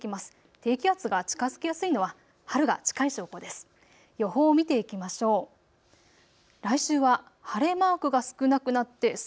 低気圧が近づきやすいのは春が近い証拠です。